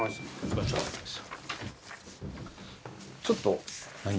ちょっと。